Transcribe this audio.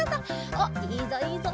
おっいいぞいいぞ！